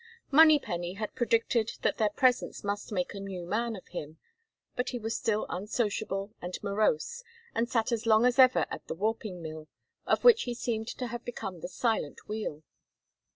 Monypenny had predicted that their presence must make a new man of him, but he was still unsociable and morose and sat as long as ever at the warping mill, of which he seemed to have become the silent wheel.